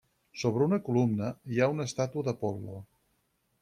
Sobre una columna, hi ha una estàtua d'Apol·lo.